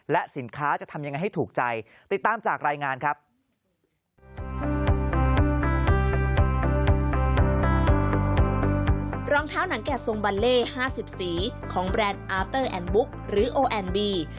และสินค้าจะทำยังไงให้ถูกใจติดตามจากรายงานครับ